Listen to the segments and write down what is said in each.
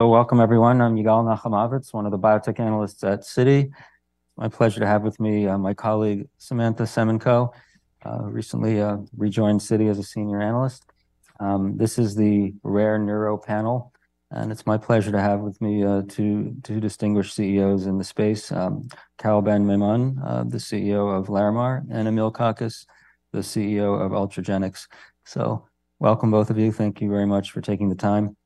Welcome, everyone. I'm Yigal Nochomovitz, one of the biotech analysts at Citi. My pleasure to have with me, my colleague, Samantha Semenkow, recently rejoined Citi as a senior analyst. This is the Rare Neuro Panel, and it's my pleasure to have with me, two distinguished CEOs in the space, Carole Ben-Maimon, the CEO of Larimar, and Emil Kakkis, the CEO of Ultragenyx. Welcome, both of you. Thank you very much for taking the time.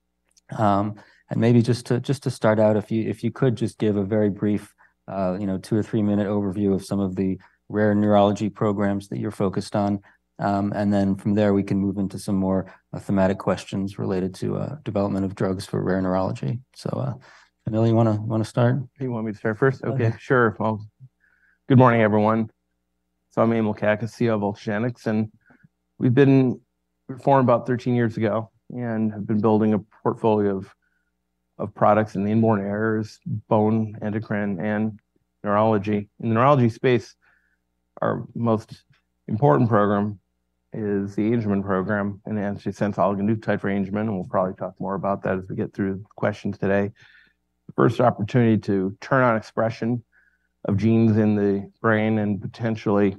Maybe just to start out, if you could just give a very brief, you know, two or three-minute overview of some of the rare neurology programs that you're focused on. Then from there, we can move into some more thematic questions related to development of drugs for rare neurology. So, Emil, you want to start? You want me to start first? Okay. Sure. Well, good morning, everyone. So I'm Emil Kakkis, CEO of Ultragenyx, and we've been formed about 13 years ago and have been building a portfolio of, of products in the inborn errors, bone, endocrine, and neurology. In the neurology space, our most important program is the Angelman program, and antisense oligonucleotide for Angelman, and we'll probably talk more about that as we get through the questions today. The first opportunity to turn on expression of genes in the brain and potentially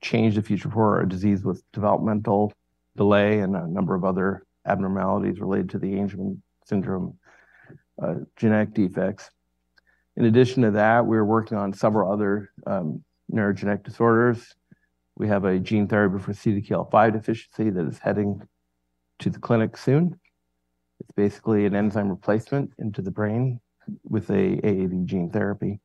change the future for a disease with developmental delay and a number of other abnormalities related to the Angelman syndrome, genetic defects. In addition to that, we're working on several other neurogenetic disorders. We have a gene therapy for CDKL5 deficiency that is heading to the clinic soon. It's basically an enzyme replacement into the brain with a AAV gene therapy.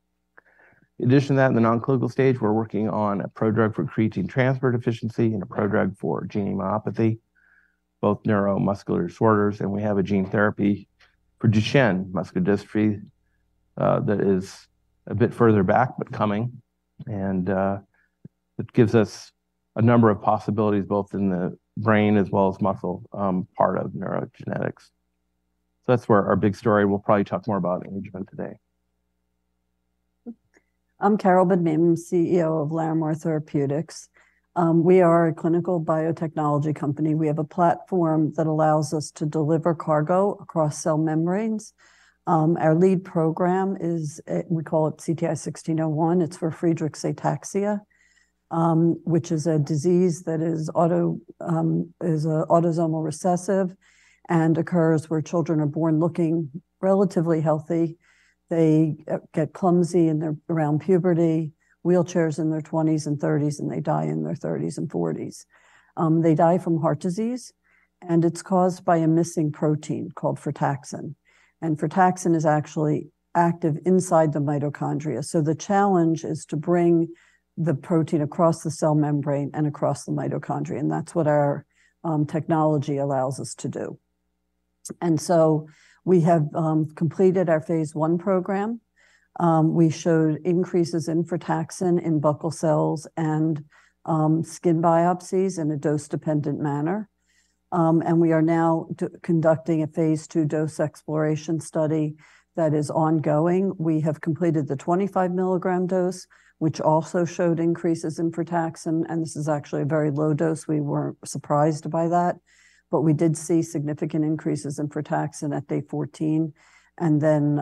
In addition to that, in the non-clinical stage, we're working on a prodrug for creatine transporter deficiency and a prodrug for GNE myopathy, both neuromuscular disorders, and we have a gene therapy for Duchenne muscular dystrophy that is a bit further back, but coming. And it gives us a number of possibilities, both in the brain as well as muscle, part of neurogenetics. So that's where our big story. We'll probably talk more about Angelman today. I'm Carole Ben-Maimon, CEO of Larimar Therapeutics. We are a clinical biotechnology company. We have a platform that allows us to deliver cargo across cell membranes. Our lead program is, we call it CTI-1601. It's for Friedreich's ataxia, which is a disease that is autosomal recessive and occurs where children are born looking relatively healthy. They get clumsy in their around puberty, wheelchairs in their twenties and thirties, and they die in their thirties and forties. They die from heart disease, and it's caused by a missing protein called frataxin. Frataxin is actually active inside the mitochondria. The challenge is to bring the protein across the cell membrane and across the mitochondria, and that's what our technology allows us to do. We have completed our phase I program. We showed increases in frataxin, in buccal cells and skin biopsies in a dose-dependent manner. We are now conducting a phase II dose exploration study that is ongoing. We have completed the 25 mg dose, which also showed increases in frataxin, and this is actually a very low dose. We weren't surprised by that, but we did see significant increases in frataxin at day 14, and then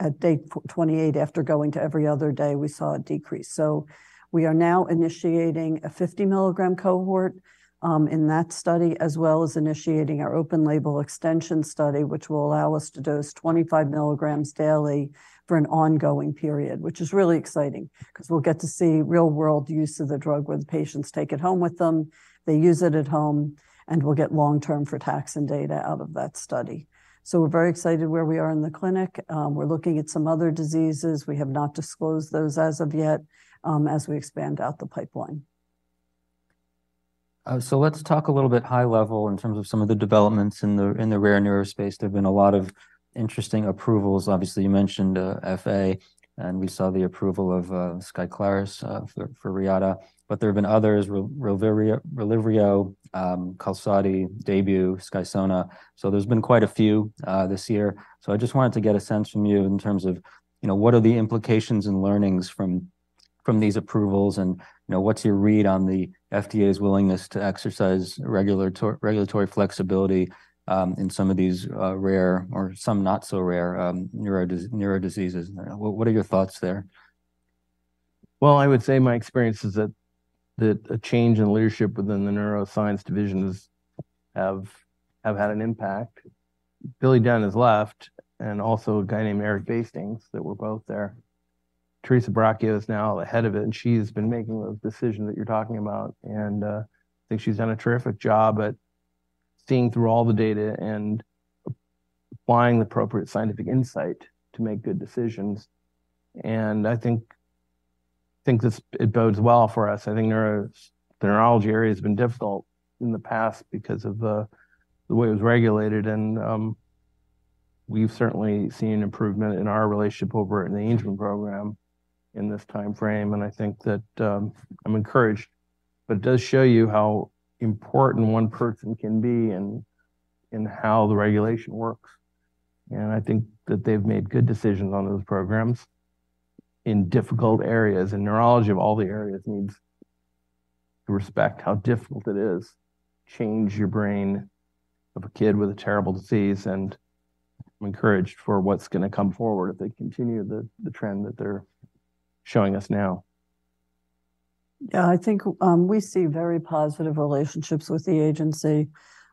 at day 28, after going to every other day, we saw a decrease. So we are now initiating a 50-mg cohort in that study, as well as initiating our open label extension study, which will allow us to dose 25 milligrams daily for an ongoing period. Which is really exciting because we'll get to see real-world use of the drug, where the patients take it home with them, they use it at home, and we'll get long-term frataxin data out of that study. So we're very excited where we are in the clinic. We're looking at some other diseases. We have not disclosed those as of yet, as we expand out the pipeline. So let's talk a little bit high level in terms of some of the developments in the, in the rare neuro space. There have been a lot of interesting approvals. Obviously, you mentioned FA, and we saw the approval of SKYCLARYS for Reata, but there have been others, RELYVRIO, QALSODY, DAYBUE, SKYSONA. So there's been quite a few this year. So I just wanted to get a sense from you in terms of, you know, what are the implications and learnings from these approvals, and, you know, what's your read on the FDA's willingness to exercise regulatory flexibility in some of these rare or some not so rare neuro diseases? What are your thoughts there? Well, I would say my experience is that a change in leadership within the neuroscience divisions has had an impact. Billy Dunn has left, and also a guy named Eric Bastings that were both there. Teresa Buracchio is now the head of it, and she's been making those decisions that you're talking about, and I think she's done a terrific job at seeing through all the data and applying the appropriate scientific insight to make good decisions. And I think this, it bodes well for us. I think the neurology area has been difficult in the past because of the way it was regulated, and we've certainly seen improvement in our relationship over in the Angelman program in this timeframe, and I think that, I'm encouraged. But it does show you how important one person can be and, and how the regulation works. And I think that they've made good decisions on those programs in difficult areas. In neurology, of all the areas, I respect how difficult it is to change your brain of a kid with a terrible disease, and I'm encouraged for what's gonna come forward if they continue the, the trend that they're showing us now. Yeah, I think we see very positive relationships with the agency.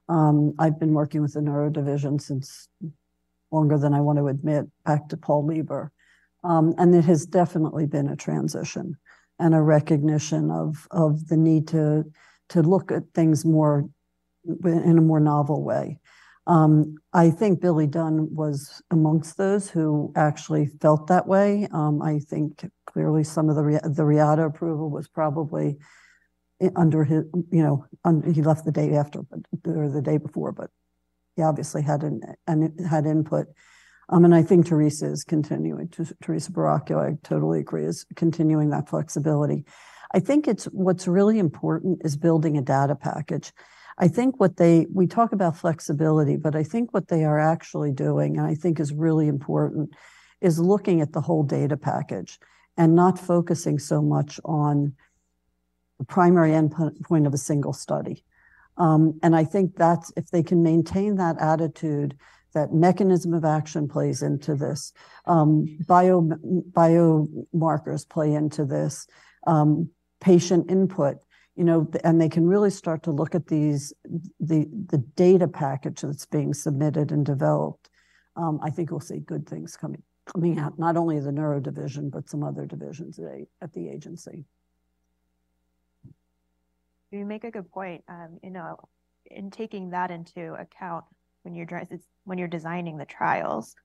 I've been working with the neuro division since longer than I want to admit, back to Paul Leber. And it has definitely been a transition and a recognition of the need to look at things more in a more novel way. I think Billy Dunn was amongst those who actually felt that way. I think clearly some of the Reata approval was probably under his. You know, he left the day after or the day before, but he obviously had an input. And I think Teresa is continuing. Teresa Buracchio, I totally agree, is continuing that flexibility. I think it's what's really important is building a data package. I think what we talk about flexibility, but I think what they are actually doing, and I think is really important, is looking at the whole data package and not focusing so much on the primary endpoint of a single study. And I think that's if they can maintain that attitude, that mechanism of action plays into this, biomarkers play into this, patient input, you know, and they can really start to look at the data package that's being submitted and developed. I think we'll see good things coming out, not only the neuro division, but some other divisions at the agency. You make a good point, you know, in taking that into account, when you're designing the trials,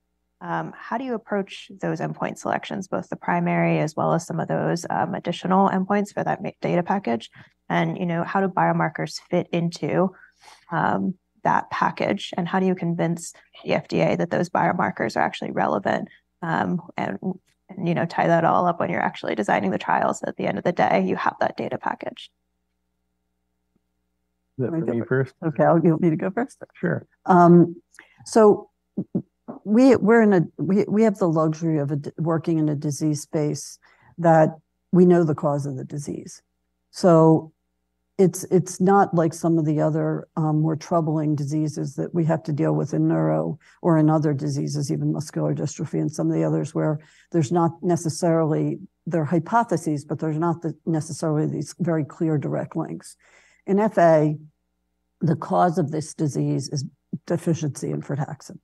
how do you approach those endpoint selections, both the primary as well as some of those, additional endpoints for that data package? And, you know, how do biomarkers fit into, that package? And how do you convince the FDA that those biomarkers are actually relevant, and, you know, tie that all up when you're actually designing the trials at the end of the day, you have that data package? Is that for me first? Okay, you want me to go first? Sure. So we're in a—we have the luxury of working in a disease space that we know the cause of the disease. So it's not like some of the other, more troubling diseases that we have to deal with in neuro or in other diseases, even muscular dystrophy and some of the others, where there's not necessarily. They're hypotheses, but there's not necessarily these very clear, direct links. In FA, the cause of this disease is deficiency in frataxin.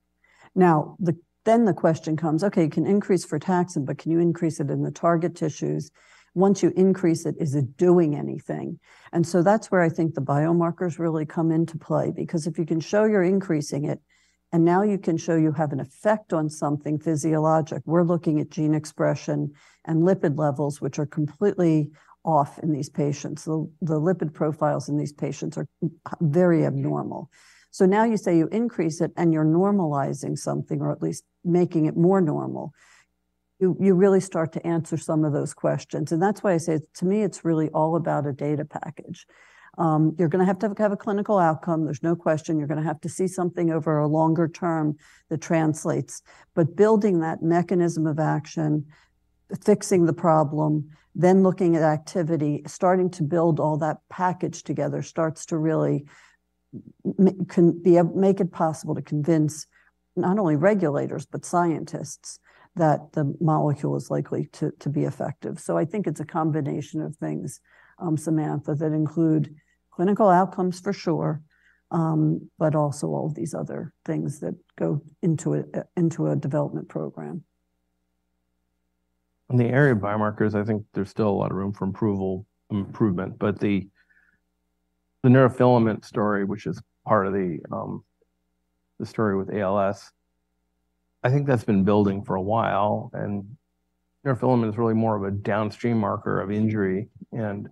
Now, then the question comes, "Okay, you can increase frataxin, but can you increase it in the target tissues? Once you increase it, is it doing anything?" And so that's where I think the biomarkers really come into play, because if you can show you're increasing it, and now you can show you have an effect on something physiologic, we're looking at gene expression and lipid levels, which are completely off in these patients. The lipid profiles in these patients are very abnormal. So now you say you increase it, and you're normalizing something, or at least making it more normal, you really start to answer some of those questions. And that's why I say to me, it's really all about a data package. You're gonna have to have a clinical outcome, there's no question, you're gonna have to see something over a longer term that translates. But building that mechanism of action, fixing the problem, then looking at activity, starting to build all that package together, starts to really make it possible to convince not only regulators, but scientists, that the molecule is likely to be effective. So I think it's a combination of things, Samantha, that include clinical outcomes for sure, but also all of these other things that go into a development program. In the area of biomarkers, I think there's still a lot of room for approval, improvement. But the neurofilament story, which is part of the story with ALS, I think that's been building for a while, and neurofilament is really more of a downstream marker of injury, and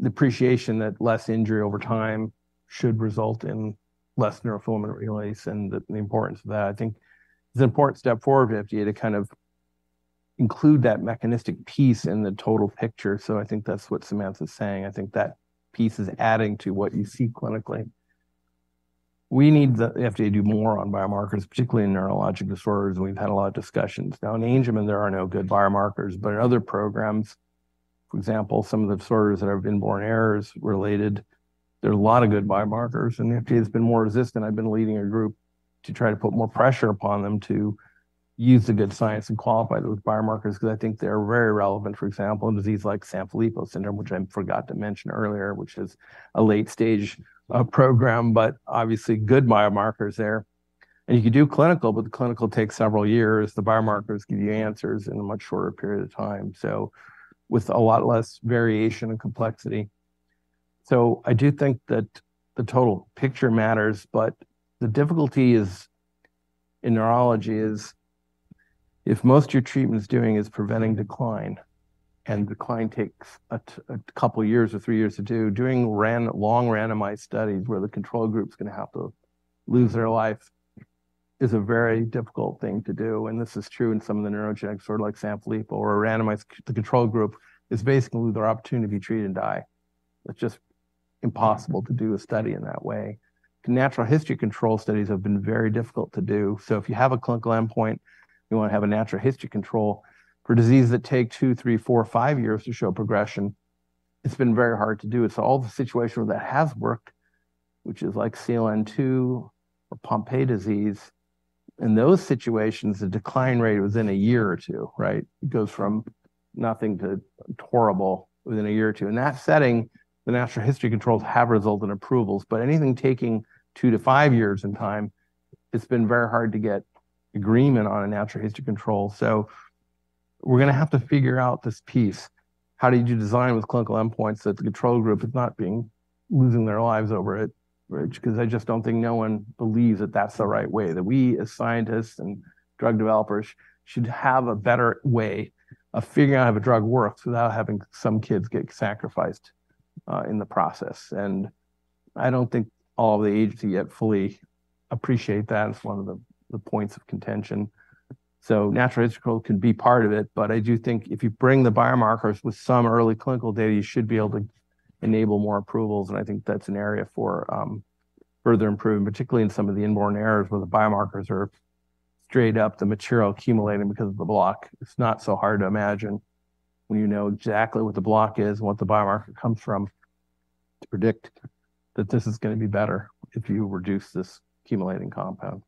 the appreciation that less injury over time should result in less neurofilament release and the importance of that. I think it's an important step forward for the FDA to kind of include that mechanistic piece in the total picture. So I think that's what Samantha is saying. I think that piece is adding to what you see clinically. We need the FDA to do more on biomarkers, particularly in neurologic disorders. We've had a lot of discussions. Now, in Angelman, there are no good biomarkers, but in other programs, for example, some of the disorders that have been inborn errors related, there are a lot of good biomarkers, and the FDA has been more resistant. I've been leading a group to try to put more pressure upon them to use the good science and qualify those biomarkers because I think they're very relevant. For example, a disease like Sanfilippo syndrome, which I forgot to mention earlier, which is a late-stage program, but obviously good biomarkers there. You could do clinical, but the clinical takes several years. The biomarkers give you answers in a much shorter period of time, so with a lot less variation and complexity. So I do think that the total picture matters, but the difficulty is, in neurology, if most of your treatment is doing is preventing decline, and decline takes a couple of years or three years to do, doing long randomized studies where the control group is gonna have to lose their life, is a very difficult thing to do, and this is true in some of the neurogenetics, sort of like Sanfilippo or a randomized control group, is basically their opportunity to be treated and die. It's impossible to do a study in that way. Natural history control studies have been very difficult to do. So if you have a clinical endpoint, you wanna have a natural history control for diseases that take two, three, four, five years to show progression, it's been very hard to do. It's all the situations where that has worked, which is like CLN2 or Pompe disease. In those situations, the decline rate within a year or two, right? It goes from nothing to horrible within a year or two. In that setting, the natural history controls have resulted in approvals, but anything taking two to five years in time, it's been very hard to get agreement on a natural history control. So we're gonna have to figure out this piece. How did you design with clinical endpoints that the control group is not being-- losing their lives over it? Which 'cause I just don't think no one believes that that's the right way, that we, as scientists and drug developers, should have a better way of figuring out if a drug works without having some kids get sacrificed in the process. I don't think all the agency yet fully appreciate that as one of the points of contention. So natural history control can be part of it, but I do think if you bring the biomarkers with some early clinical data, you should be able to enable more approvals, and I think that's an area for further improvement, particularly in some of the inborn errors, where the biomarkers are straight up the material accumulating because of the block. It's not so hard to imagine when you know exactly what the block is and what the biomarker comes from, to predict that this is gonna be better if you reduce this accumulating compound.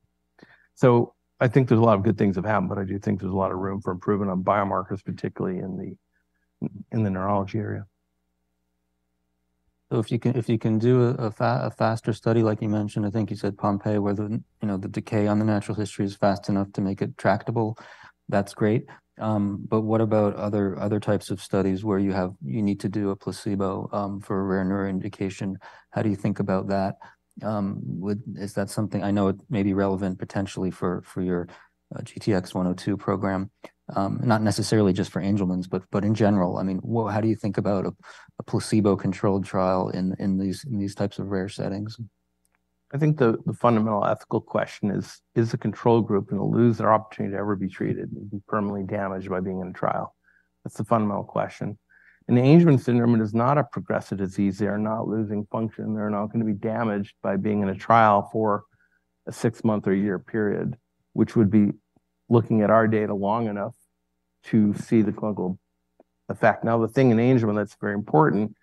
So I think there's a lot of good things have happened, but I do think there's a lot of room for improvement on biomarkers, particularly in the neurology area. So if you can, if you can do a faster study, like you mentioned, I think you said Pompe, where the, you know, the decay on the natural history is fast enough to make it tractable, that's great. But what about other types of studies where you need to do a placebo for a rare neuro indication? How do you think about that? Would is that something I know it may be relevant potentially for your GTX-102 program, not necessarily just for Angelman's, but in general, I mean, how do you think about a placebo-controlled trial in these types of rare settings? I think the fundamental ethical question is: Is the control group gonna lose their opportunity to ever be treated and be permanently damaged by being in a trial? That's the fundamental question. In the Angelman syndrome, it is not a progressive disease. They are not losing function. They're not gonna be damaged by being in a trial for a six month or a year period, which would be looking at our data long enough to see the clinical effect. Now, the thing in Angelman that's very important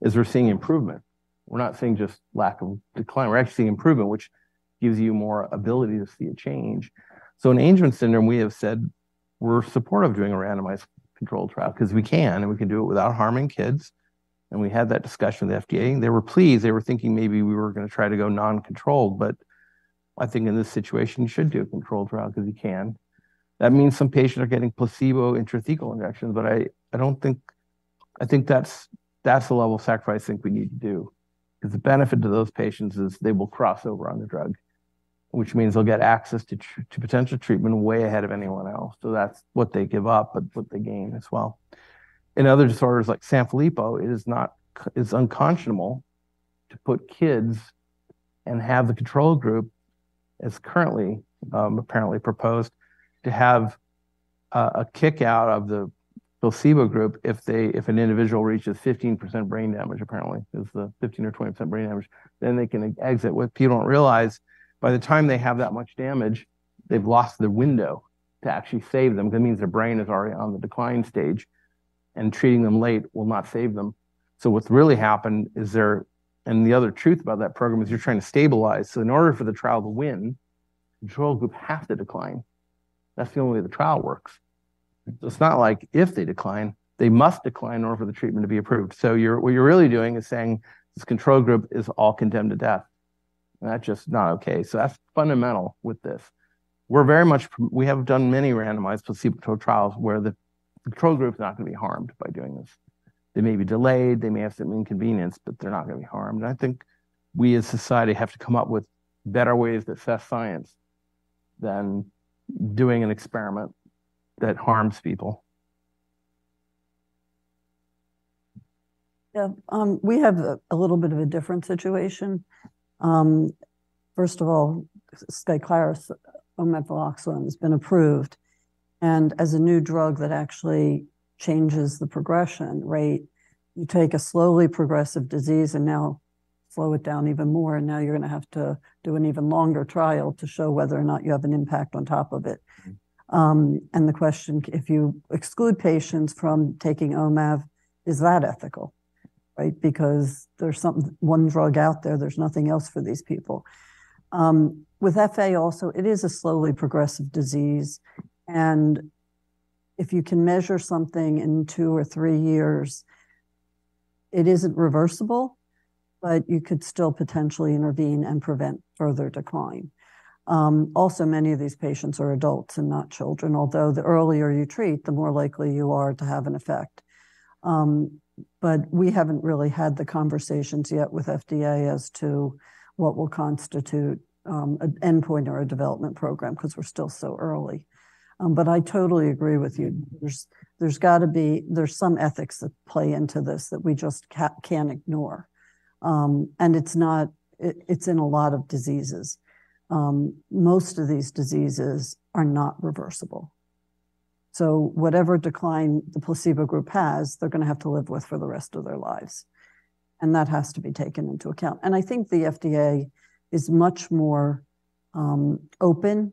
is we're seeing improvement. We're not seeing just lack of decline. We're actually seeing improvement, which gives you more ability to see a change. So in Angelman syndrome, we have said we're supportive of doing a randomized controlled trial 'cause we can, and we can do it without harming kids, and we had that discussion with the FDA, and they were pleased. They were thinking maybe we were gonna try to go non-controlled, but I think in this situation, you should do a controlled trial 'cause you can. That means some patients are getting placebo intrathecal injections, but I don't think - I think that's the level of sacrifice I think we need to do, 'cause the benefit to those patients is they will cross over on the drug, which means they'll get access to to potential treatment way ahead of anyone else. So that's what they give up, but what they gain as well. In other disorders like Sanfilippo, it is not—it's unconscionable to put kids and have the control group, as currently apparently proposed, to have a kick-out of the placebo group if an individual reaches 15% brain damage, apparently is the 15 or 20% brain damage, then they can exit. What people don't realize, by the time they have that much damage, they've lost the window to actually save them. That means their brain is already on the decline stage, and treating them late will not save them. So what's really happened is they're. And the other truth about that program is you're trying to stabilize. So in order for the trial to win, the control group has to decline. That's the only way the trial works. It's not like if they decline, they must decline in order for the treatment to be approved. So what you're really doing is saying this control group is all condemned to death, and that's just not okay. So that's fundamental with this. We're very much, we have done many randomized placebo-controlled trials where the control group is not gonna be harmed by doing this. They may be delayed, they may have some inconvenience, but they're not gonna be harmed. I think we, as a society, have to come up with better ways to assess science than doing an experiment that harms people. Yeah, we have a little bit of a different situation. First of all, SKYCLARYS, Omaveloxolone, has been approved, and as a new drug that actually changes the progression rate, you take a slowly progressive disease and now slow it down even more, and now you're gonna have to do an even longer trial to show whether or not you have an impact on top of it. And the question, if you exclude patients from taking OMAV, is that ethical, right? Because there's one drug out there, there's nothing else for these people. With FA also, it is a slowly progressive disease, and if you can measure something in two or three years, it isn't reversible, but you could still potentially intervene and prevent further decline. Also, many of these patients are adults and not children, although the earlier you treat, the more likely you are to have an effect. But we haven't really had the conversations yet with FDA as to what will constitute an endpoint in our development program 'cause we're still so early. But I totally agree with you. There's gotta be some ethics that play into this that we just can't ignore. And it's not. It's in a lot of diseases. Most of these diseases are not reversible. So whatever decline the placebo group has, they're gonna have to live with for the rest of their lives, and that has to be taken into account. And I think the FDA is much more open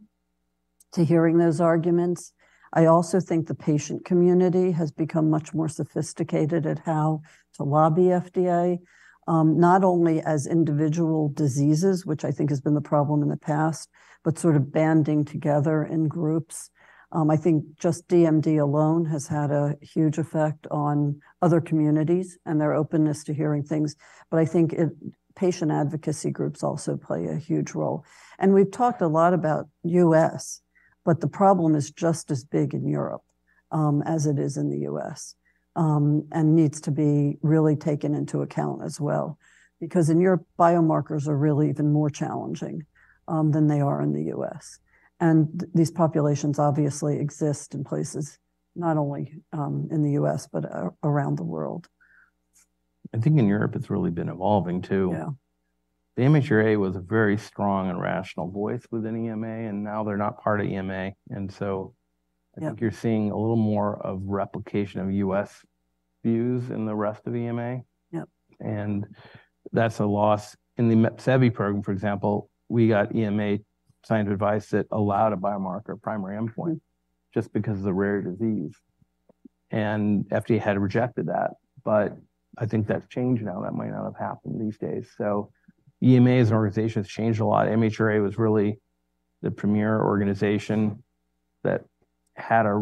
to hearing those arguments. I also think the patient community has become much more sophisticated at how to lobby FDA, not only as individual diseases, which I think has been the problem in the past, but sort of banding together in groups. I think just DMD alone has had a huge effect on other communities and their openness to hearing things, but I think patient advocacy groups also play a huge role. And we've talked a lot about U.S., but the problem is just as big in Europe, as it is in the U.S., and needs to be really taken into account as well, because in Europe, biomarkers are really even more challenging, than they are in the U.S. And these populations obviously exist in places not only, in the U.S., but around the world. I think in Europe it's really been evolving, too. Yeah. The MHRA was a very strong and rational voice within EMA, and now they're not part of EMA. So- Yeah I think you're seeing a little more of replication of U.S. views in the rest of EMA. Yep. That's a loss. In the Mepsevii program, for example, we got EMA scientific advice that allowed a biomarker primary endpoint- Mm-hmm Just because of the rare disease, and FDA had rejected that. But I think that's changed now. That might not have happened these days. So EMA as an organization has changed a lot. MHRA was really the premier organization that had a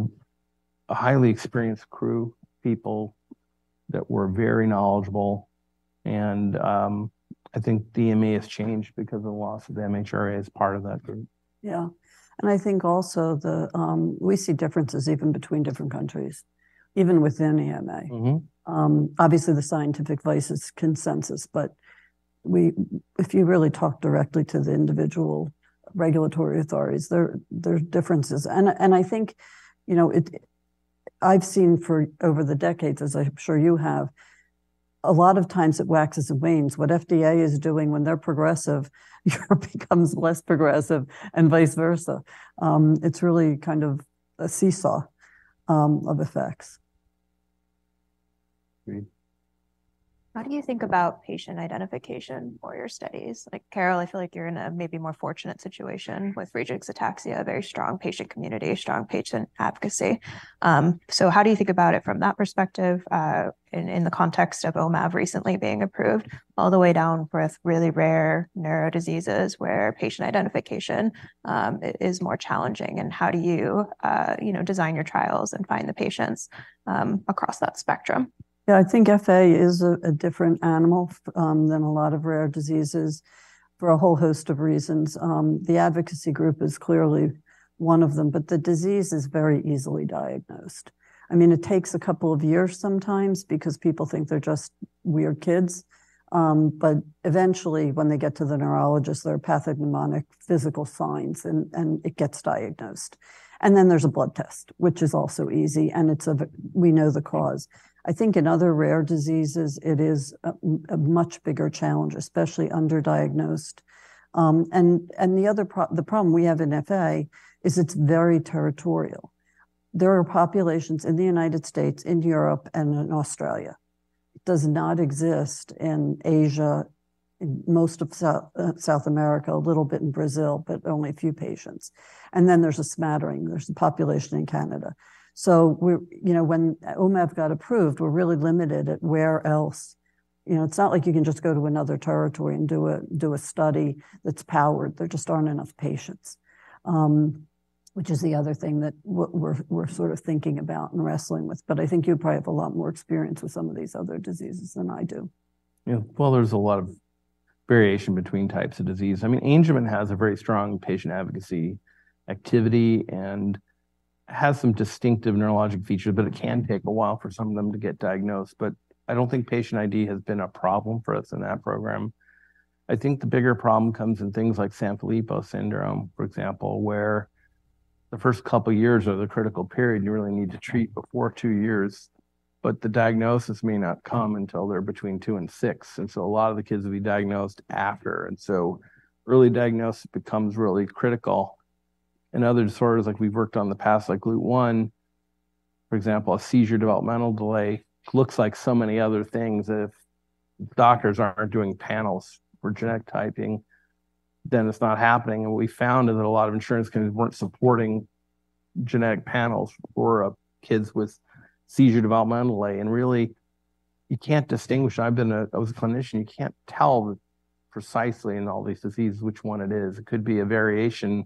highly experienced crew, people that were very knowledgeable. And I think the EMA has changed because of the loss of the MHRA as part of that group. Yeah. I think also we see differences even between different countries, even within EMA. Mm-hmm. Obviously, the scientific voice is consensus, but we, if you really talk directly to the individual regulatory authorities, there are differences. And I think, you know, I've seen for over the decades, as I'm sure you have, a lot of times it waxes and wanes. What FDA is doing when they're progressive, Europe becomes less progressive, and vice versa. It's really kind of a seesaw of effects. Agreed. How do you think about patient identification for your studies? Like, Carole, I feel like you're in a maybe more fortunate situation with Friedreich's ataxia, a very strong patient community, strong patient advocacy. So how do you think about it from that perspective, in the context ofOmaveloxolone recently being approved, all the way down with really rare neuro diseases where patient identification is more challenging, and how do you, you know, design your trials and find the patients across that spectrum? Yeah, I think FA is a different animal than a lot of rare diseases for a whole host of reasons. The advocacy group is clearly one of them, but the disease is very easily diagnosed. I mean, it takes a couple of years sometimes because people think they're just weird kids. But eventually, when they get to the neurologist, there are pathognomonic physical signs and it gets diagnosed. And then there's a blood test, which is also easy, and it's a we know the cause. I think in other rare diseases, it is a much bigger challenge, especially underdiagnosed. And the other problem we have in FA is it's very territorial. There are populations in the United States, in Europe, and in Australia. It does not exist in Asia, in most of South America, a little bit in Brazil, but only a few patients. And then there's a smattering, there's a population in Canada. So we're, you know, whenOmaveloxolone got approved, we're really limited at where else. You know, it's not like you can just go to another territory and do a, do a study that's powered. There just aren't enough patients, which is the other thing that we're, we're sort of thinking about and wrestling with, but I think you probably have a lot more experience with some of these other diseases than I do. Yeah. Well, there's a lot of variation between types of disease. I mean, Angelman has a very strong patient advocacy activity and has some distinctive neurologic features, but it can take a while for some of them to get diagnosed. But I don't think patient ID has been a problem for us in that program. I think the bigger problem comes in things like Sanfilippo syndrome, for example, where the first couple of years are the critical period. You really need to treat before two years, but the diagnosis may not come until they're between two and six, and so a lot of the kids will be diagnosed after, and so early diagnosis becomes really critical. In other disorders, like we've worked on the past, like Glut1, for example, a seizure developmental delay, looks like so many other things. If doctors aren't doing panels for genetic typing, then it's not happening. And we found that a lot of insurance companies weren't supporting genetic panels for kids with seizure developmental delay. And really, you can't distinguish. I was a clinician, you can't tell precisely in all these diseases which one it is. It could be a variation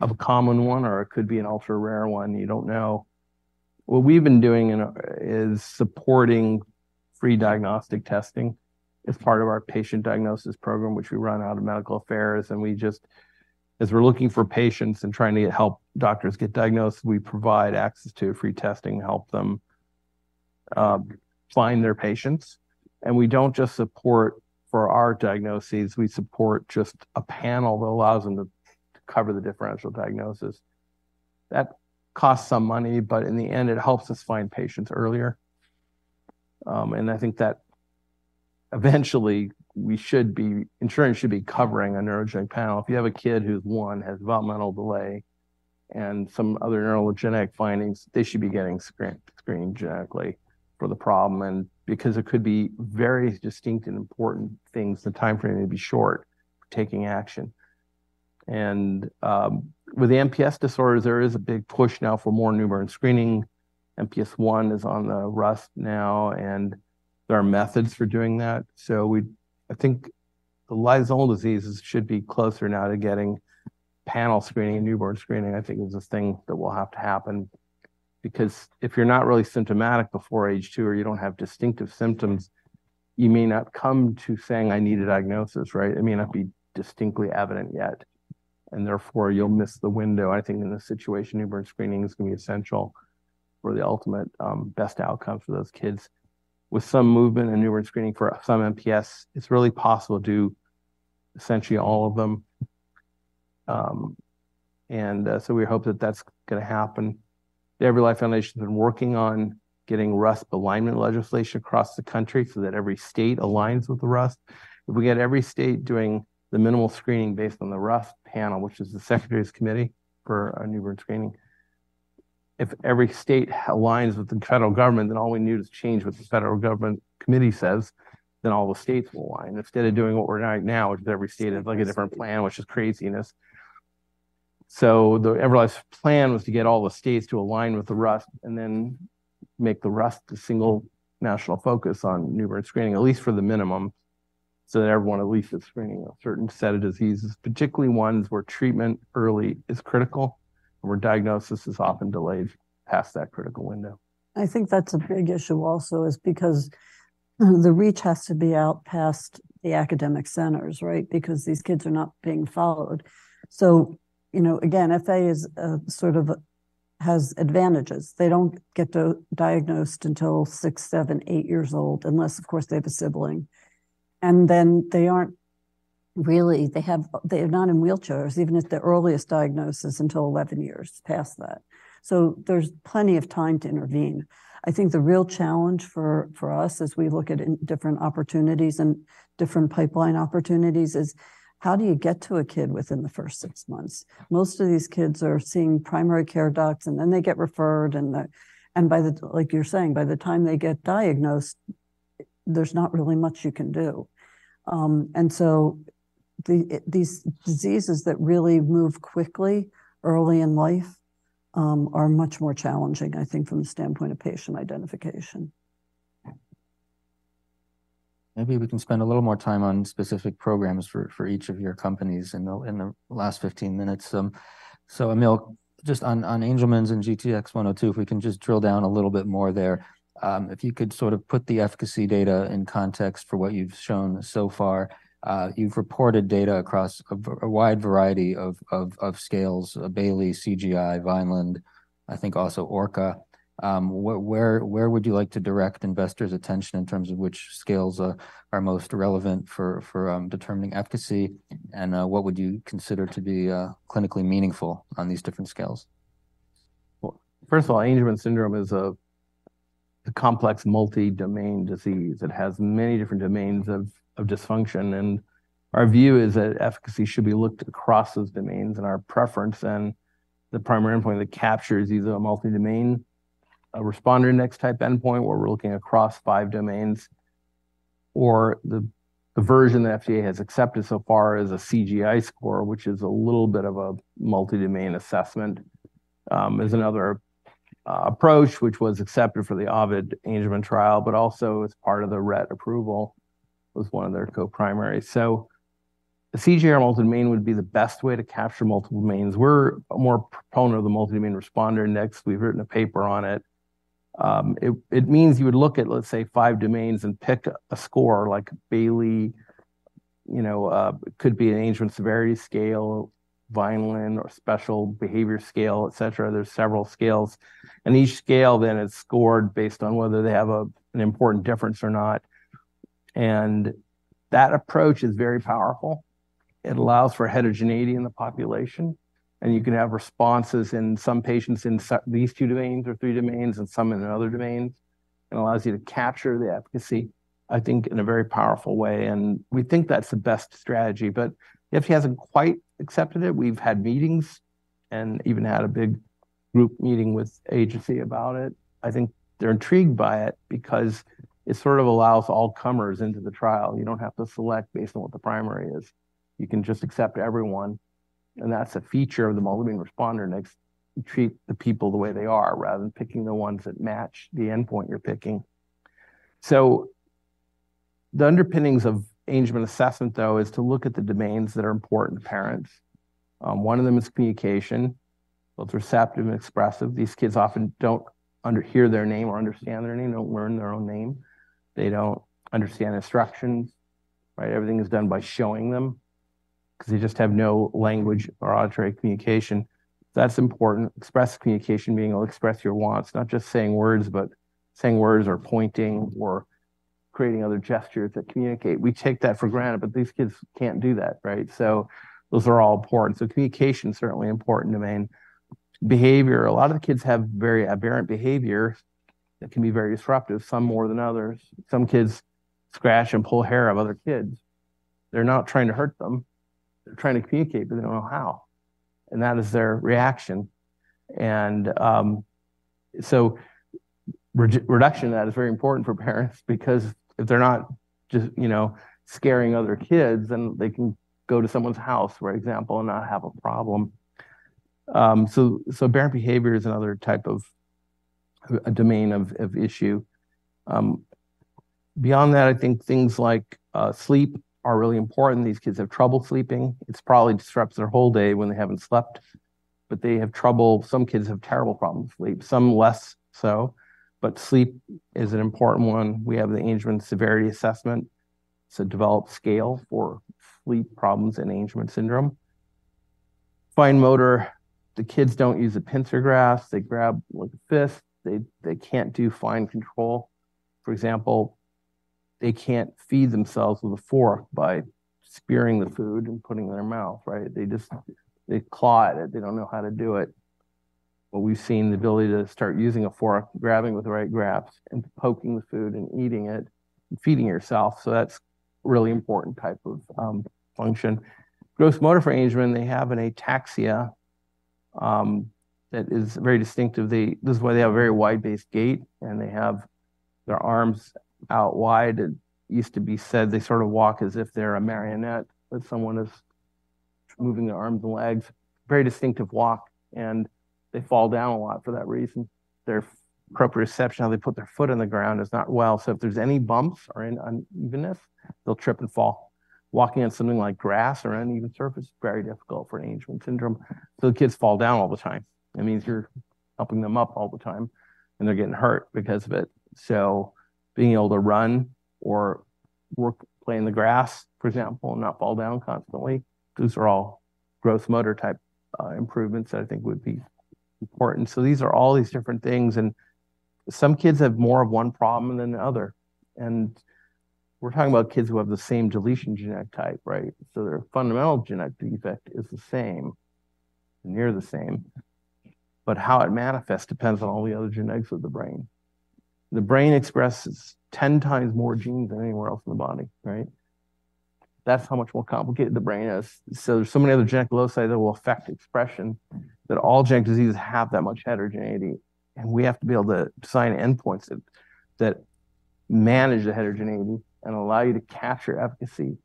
of a common one, or it could be an ultra-rare one. You don't know. What we've been doing is supporting free diagnostic testing as part of our patient diagnosis program, which we run out of medical affairs, and we just as we're looking for patients and trying to help doctors get diagnosed, we provide access to free testing to help them find their patients. And we don't just support for our diagnoses; we support just a panel that allows them to cover the differential diagnosis. That costs some money, but in the end, it helps us find patients earlier. And I think that eventually insurance should be covering a neurogenetic panel. If you have a kid who, one, has developmental delay and some other neurogenetic findings, they should be getting screened genetically for the problem, and because it could be very distinct and important things, the time frame may be short for taking action. And with the MPS disorders, there is a big push now for more newborn screening. MPS I is on the RUSP now, and there are methods for doing that. So I think the lysosomal diseases should be closer now to getting panel screening and newborn screening. I think it's a thing that will have to happen because if you're not really symptomatic before age two or you don't have distinctive symptoms, you may not come to saying, "I need a diagnosis," right? It may not be distinctly evident yet, and therefore, you'll miss the window. I think in this situation, newborn screening is gonna be essential for the ultimate, best outcome for those kids. With some movement in newborn screening for some MPS, it's really possible to do essentially all of them. So we hope that that's gonna happen. The EveryLife Foundation has been working on getting RUSP alignment legislation across the country so that every state aligns with the RUSP. If we get every state doing the minimal screening based on the RUSP panel, which is the Secretary's Committee for Newborn Screening, if every state aligns with the federal government, then all we need is change what the federal government committee says, then all the states will align. Instead of doing what we're doing right now, which is every state has, like, a different plan, which is craziness. So the EveryLife's plan was to get all the states to align with the RUSP and then make the RUSP the single national focus on newborn screening, at least for the minimum, so that everyone at least is screening a certain set of diseases, particularly ones where treatment early is critical and where diagnosis is often delayed past that critical window. I think that's a big issue also is because the reach has to be out past the academic centers, right? Because these kids are not being followed. So, you know, again, FA sort of has advantages. They don't get diagnosed until six, seven, eight years old, unless, of course, they have a sibling. And then they aren't really in wheelchairs, even if the earliest diagnosis until 11 years past that. So there's plenty of time to intervene. I think the real challenge for us as we look at different opportunities and different pipeline opportunities is how do you get to a kid within the first six months? Most of these kids are seeing primary care docs, and then they get referred, and, like you're saying, by the time they get diagnosed, there's not really much you can do. And so these diseases that really move quickly early in life are much more challenging, I think, from the standpoint of patient identification. Maybe we can spend a little more time on specific programs for each of your companies in the last 15 minutes. So, Emil, just on Angelman's and GTX-102, if we can just drill down a little bit more there. If you could sort of put the efficacy data in context for what you've shown so far. You've reported data across a wide variety of scales, Bayley, CGI, Vineland, I think also ORCA. Where would you like to direct investors' attention in terms of which scales are most relevant for determining efficacy? And what would you consider to be clinically meaningful on these different scales? Well, first of all, Angelman syndrome is a complex multi-domain disease. It has many different domains of dysfunction, and our view is that efficacy should be looked across those domains. Our preference and the primary endpoint that captures either a multi-domain responder index-type endpoint, where we're looking across five domains, or the version the FDA has accepted so far is a CGI score, which is a little bit of a multi-domain assessment, is another approach which was accepted for the Ovid Angelman trial, but also as part of the Rett approval, was one of their co-primaries. So the CGI multi-domain would be the best way to capture multiple domains. We're more proponent of the multi-domain responder index. We've written a paper on it. It means you would look at, let's say, five domains and pick a score like Bayley, you know, it could be an Angelman severity scale, Vineland, or special behavior scale, et cetera. There's several scales, and each scale then is scored based on whether they have a, an important difference or not. And that approach is very powerful. It allows for heterogeneity in the population, and you can have responses in some patients in these two domains or three domains and some in the other domains. It allows you to capture the efficacy, I think, in a very powerful way, and we think that's the best strategy. But the FDA hasn't quite accepted it. We've had meetings and even had a big group meeting with agency about it. I think they're intrigued by it because it sort of allows all comers into the trial. You don't have to select based on what the primary is. You can just accept everyone, and that's a feature of the multi-domain responder next, treat the people the way they are, rather than picking the ones that match the endpoint you're picking. So the underpinnings of Angelman assessment, though, is to look at the domains that are important to parents. One of them is communication, both receptive and expressive. These kids often don't hear their name or understand their name, don't learn their own name. They don't understand instructions, right? Everything is done by showing them because they just have no language or auditory communication. That's important. Expressive communication, being able to express your wants, not just saying words, but saying words or pointing, creating other gestures that communicate. We take that for granted, but these kids can't do that, right? So those are all important. So communication is certainly important domain. Behavior, a lot of the kids have very aberrant behavior that can be very disruptive, some more than others. Some kids scratch and pull hair of other kids. They're not trying to hurt them, they're trying to communicate, but they don't know how, and that is their reaction. Reduction of that is very important for parents because if they're not just, you know, scaring other kids, then they can go to someone's house, for example, and not have a problem. So aberrant behavior is another type of a domain of issue. Beyond that, I think things like sleep are really important. These kids have trouble sleeping. It's probably disrupts their whole day when they haven't slept, but they have trouble. Some kids have terrible problems with sleep, some less so. But sleep is an important one. We have the Angelman Severity Assessment. It's a developed scale for sleep problems in Angelman syndrome. Fine motor, the kids don't use a pincer grasp. They grab with a fist. They can't do fine control. For example, they can't feed themselves with a fork by spearing the food and putting it in their mouth, right? They just claw at it. They don't know how to do it. But we've seen the ability to start using a fork, grabbing with the right grasp, and poking the food and eating it, and feeding yourself. So that's really important type of function. Gross motor for Angelman, they have an ataxia that is very distinctive. This is why they have a very wide-based gait, and they have their arms out wide. It used to be said they sort of walk as if they're a marionette, that someone is moving their arms and legs. Very distinctive walk, and they fall down a lot for that reason. Their proprioception, how they put their foot on the ground is not well. So if there's any bumps or an unevenness, they'll trip and fall. Walking on something like grass or uneven surface, very difficult for an Angelman syndrome, so the kids fall down all the time. It means you're helping them up all the time, and they're getting hurt because of it. So being able to run or work, play in the grass, for example, and not fall down constantly, those are all gross motor-type improvements that I think would be important. So these are all these different things, and some kids have more of one problem than the other. We're talking about kids who have the same deletion genetic type, right? So their fundamental genetic defect is the same, nearly the same, but how it manifests depends on all the other genetics of the brain. The brain expresses 10x more genes than anywhere else in the body, right? That's how much more complicated the brain is. So there's so many other genetic loci that will affect expression, that all genetic diseases have that much heterogeneity. And we have to be able to design endpoints that manage the heterogeneity and allow you to capture efficacy,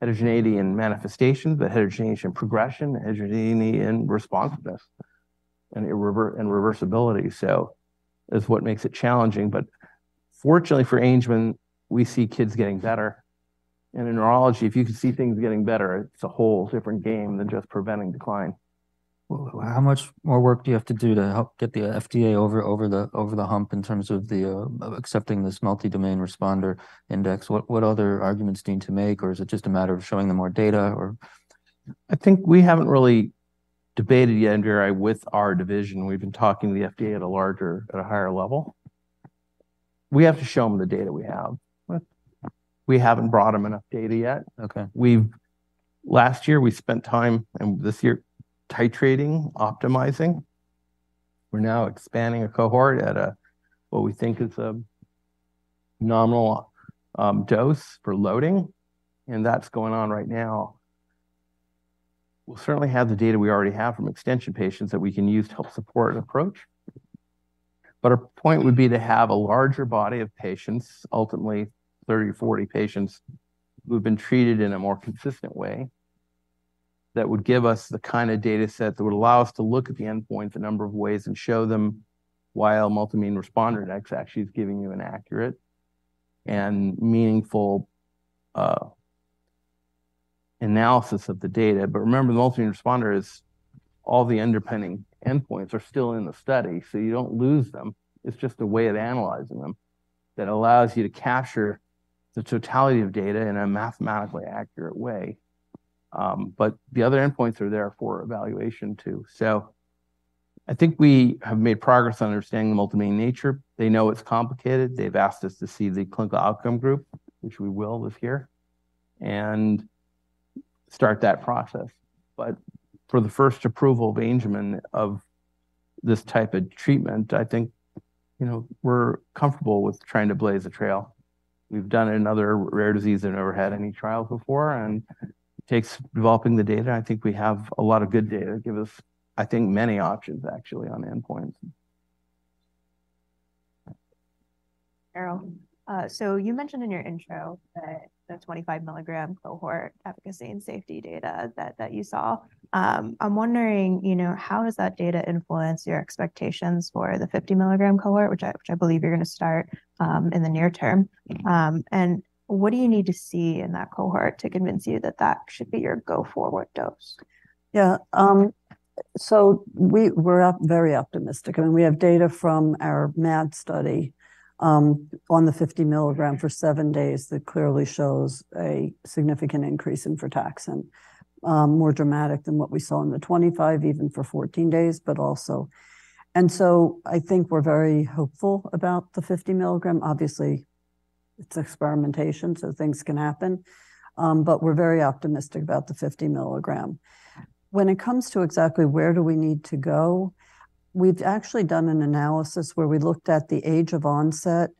heterogeneity in manifestations, the heterogeneity in progression, heterogeneity in responsiveness, and irreversibility and reversibility. So is what makes it challenging. But fortunately, for Angelman, we see kids getting better. And in neurology, if you can see things getting better, it's a whole different game than just preventing decline. Well, how much more work do you have to do to help get the FDA over the hump in terms of accepting this multi-domain responder index? What other arguments do you need to make, or is it just a matter of showing them more data, or? I think we haven't really debated yet, Andrea, with our division. We've been talking to the FDA at a higher level. We have to show them the data we have. Right. We haven't brought them enough data yet. Okay. Last year, we spent time, and this year, titrating, optimizing. We're now expanding a cohort at a, what we think is a nominal, dose for loading, and that's going on right now. We'll certainly have the data we already have from extension patients that we can use to help support an approach. But our point would be to have a larger body of patients, ultimately 30 or 40 patients, who've been treated in a more consistent way. That would give us the kind of data set that would allow us to look at the endpoint a number of ways and show them why a multi-domain responder index actually is giving you an accurate and meaningful, analysis of the data. But remember, the multi-domain responder is all the underpinning endpoints are still in the study, so you don't lose them. It's just a way of analyzing them that allows you to capture the totality of data in a mathematically accurate way. But the other endpoints are there for evaluation, too. So I think we have made progress on understanding the multi-domain nature. They know it's complicated. They've asked us to see the clinical outcome group, which we will this year, and start that process. But for the first approval of Angelman, of this type of treatment, I think, you know, we're comfortable with trying to blaze a trail. We've done it in other rare diseases that have never had any trials before, and it takes developing the data. I think we have a lot of good data to give us, I think, many options, actually, on endpoints. Carol, so you mentioned in your intro that the 25-mg cohort efficacy and safety data that, that you saw. I'm wondering, you know, how does that data influence your expectations for the 50-mg cohort, which I, which I believe you're gonna start in the near term? And what do you need to see in that cohort to convince you that that should be your go-forward dose? Yeah, so we're very optimistic, and we have data from our MAD study on the 50 mg for seven days that clearly shows a significant increase in frataxin, more dramatic than what we saw in the 25, even for 14 days, but also... And so I think we're very hopeful about the 50 mg. Obviously... It's experimentation, so things can happen. But we're very optimistic about the 50 mg. When it comes to exactly where do we need to go, we've actually done an analysis where we looked at the age of onset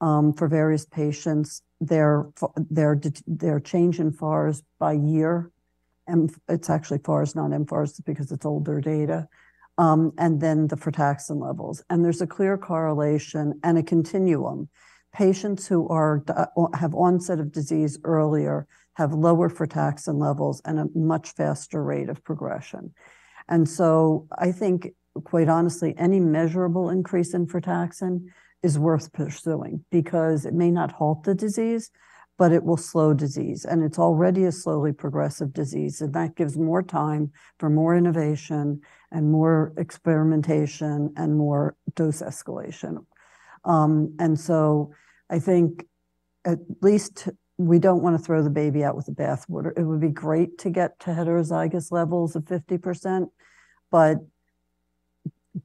for various patients, their change in FARS by year, and it's actually FARS, not mFARS, because it's older data, and then the frataxin levels. And there's a clear correlation and a continuum. Patients who have onset of disease earlier have lower frataxin levels and a much faster rate of progression. I think, quite honestly, any measurable increase in frataxin is worth pursuing because it may not halt the disease, but it will slow disease, and it's already a slowly progressive disease, and that gives more time for more innovation and more experimentation and more dose escalation. I think at least we don't wanna throw the baby out with the bathwater. It would be great to get to heterozygous levels of 50%, but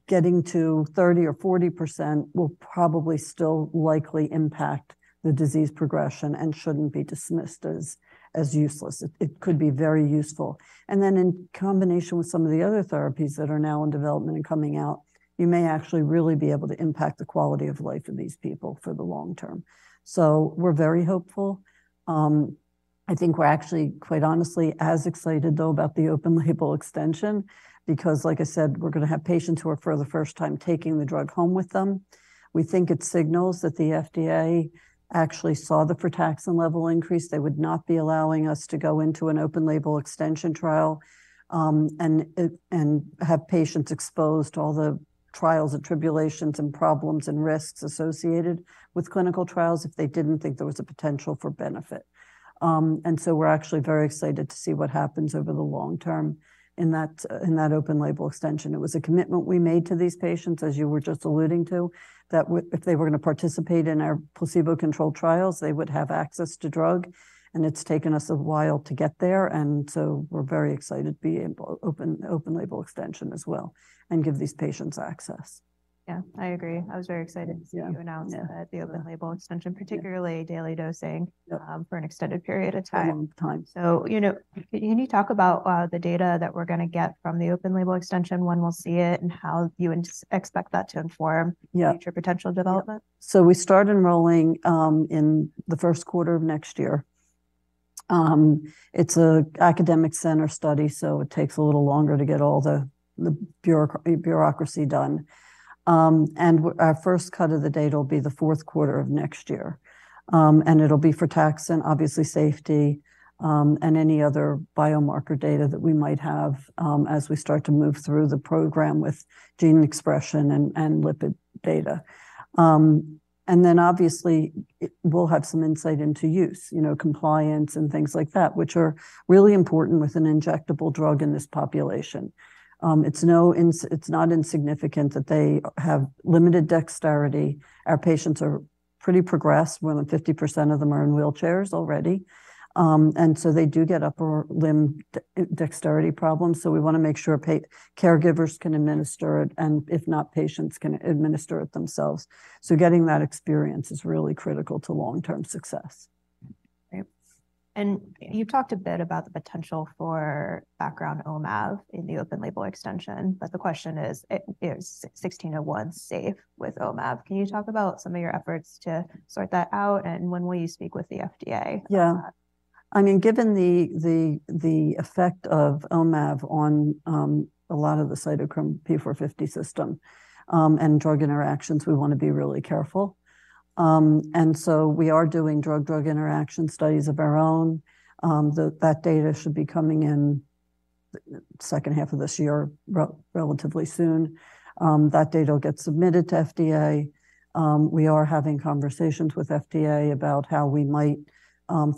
getting to 30 or 40% will probably still likely impact the disease progression and shouldn't be dismissed as, as useless. It could be very useful. And then, in combination with some of the other therapies that are now in development and coming out, you may actually really be able to impact the quality of life of these people for the long term. So we're very hopeful. I think we're actually, quite honestly, as excited, though, about the open-label extension, because, like I said, we're gonna have patients who are, for the first time, taking the drug home with them. We think it signals that the FDA actually saw the frataxin level increase. They would not be allowing us to go into an open-label extension trial, and have patients exposed to all the trials and tribulations and problems and risks associated with clinical trials if they didn't think there was a potential for benefit. and so we're actually very excited to see what happens over the long term in that open-label extension. It was a commitment we made to these patients, as you were just alluding to, that if they were gonna participate in our placebo-controlled trials, they would have access to drug, and it's taken us a while to get there, and so we're very excited to be in open-label extension as well and give these patients access. Yeah, I agree. I was very excited- Yeah To see you announce the open-label extension, particularly daily dosing- Yeah For an extended period of time. A long time. You know, can you talk about the data that we're gonna get from the open-label extension, when we'll see it, and how you expect that to inform- Yeah Future potential development? So we start enrolling in the Q1 of next year. It's an academic center study, so it takes a little longer to get all the bureaucracy done. And our first cut of the data will be the Q4 of next year. And it'll be frataxin, obviously, safety, and any other biomarker data that we might have as we start to move through the program with gene expression and lipid data. And then, obviously, it will have some insight into use, you know, compliance and things like that, which are really important with an injectable drug in this population. It's not insignificant that they have limited dexterity. Our patients are pretty progressed. More than 50% of them are in wheelchairs already. And so they do get upper limb dexterity problems, so we wanna make sure caregivers can administer it, and if not, patients can administer it themselves. So getting that experience is really critical to long-term success. Great. And you talked a bit about the potential for background OMAV in the open-label extension, but the question is, is 1601 safe with OMAV? Can you talk about some of your efforts to sort that out, and when will you speak with the FDA? Yeah. I mean, given the effect of OMAV on a lot of the cytochrome P450 system, and drug interactions, we wanna be really careful. And so we are doing drug-drug interaction studies of our own. That data should be coming in the H2 of this year, relatively soon. That data will get submitted to FDA. We are having conversations with FDA about how we might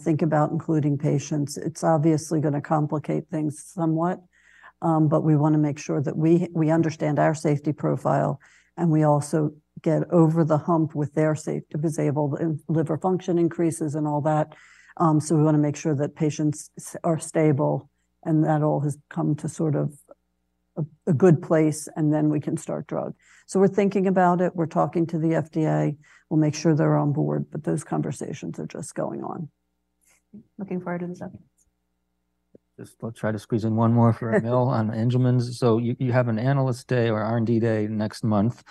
think about including patients. It's obviously gonna complicate things somewhat, but we wanna make sure that we understand our safety profile, and we also get over the hump with their safety, disabled and liver function increases and all that. So we wanna make sure that patients are stable, and that all has come to sort of a good place, and then we can start drug. We're thinking about it. We're talking to the FDA. We'll make sure they're on board, but those conversations are just going on. Looking forward to this evidence. Just, I'll try to squeeze in one more for Emil on Angelman. So you have an Analyst Day or R&D Day next month,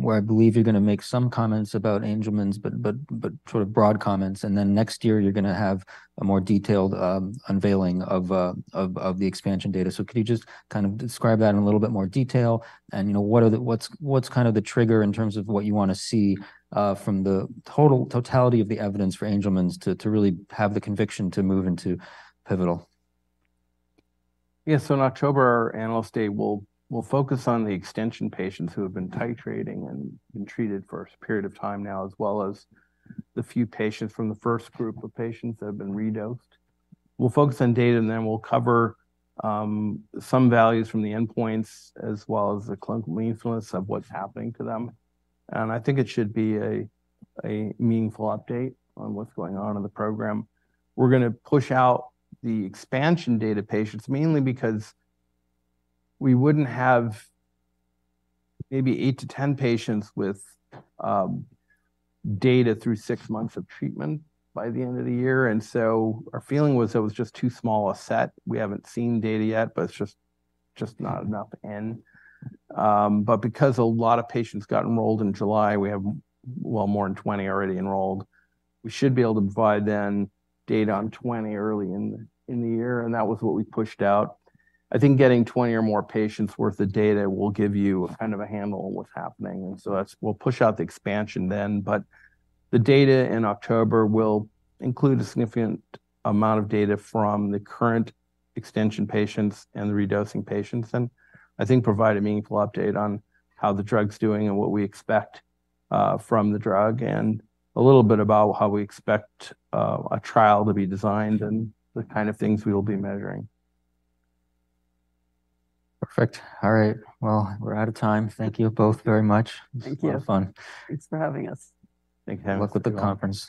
where I believe you're gonna make some comments about Angelman's, but sort of broad comments. And then next year you're gonna have a more detailed unveiling of the expansion data. So could you just kind of describe that in a little bit more detail? And, you know, what's kind of the trigger in terms of what you wanna see from the totality of the evidence for Angelman's to really have the conviction to move into pivotal? Yeah. So in October, our Analyst Day will focus on the extension patients who have been titrating and been treated for a period of time now, as well as the few patients from the first group of patients that have been redosed. We'll focus on data, and then we'll cover some values from the endpoints, as well as the clinical influence of what's happening to them. And I think it should be a meaningful update on what's going on in the program. We're gonna push out the expansion data patients, mainly because we wouldn't have maybe 8-10 patients with data through six months of treatment by the end of the year. And so our feeling was it was just too small a set. We haven't seen data yet, but it's just not enough in. But because a lot of patients got enrolled in July, we have well more than 20 already enrolled. We should be able to provide then data on 20 early in the year, and that was what we pushed out. I think getting 20 or more patients worth of data will give you a kind of a handle on what's happening, and so that's... We'll push out the expansion then. But the data in October will include a significant amount of data from the current extension patients and the redosing patients, and I think provide a meaningful update on how the drug's doing and what we expect from the drug, and a little bit about how we expect a trial to be designed and the kind of things we will be measuring. Perfect. All right. Well, we're out of time. Thank you both very much. Thank you. A lot of fun. Thanks for having us. Thank you. Good luck with the conference.